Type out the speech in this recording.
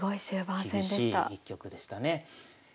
厳しい一局でしたね。